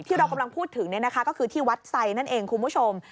ที่เรากำลังพูดถึงก็คือที่วัดไซนั่นเองคุณผู้ชม